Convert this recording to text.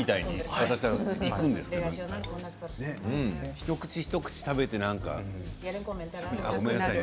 一口一口食べて、何かあ、ごめんなさいね